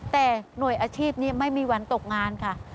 แต่หน่วยอาชีพนี้ไม่มีวันตกงานค่ะ